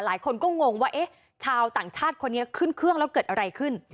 หลายคนก็งงว่าเอ๊ะชาวต่างชาติคนนี้ขึ้นเครื่องแล้วเกิดอะไรขึ้น